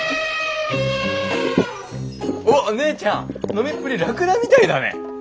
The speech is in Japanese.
おっ姉ちゃん飲みっぷりラクダみたいだね。